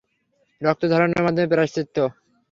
রক্ত ঝরানোর মাধ্যমে প্রায়শ্চিত্ত!